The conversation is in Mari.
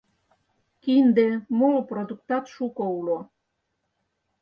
Кинде, моло продуктат шуко уло.